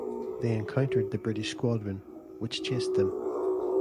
They encountered the British squadron, which chased them.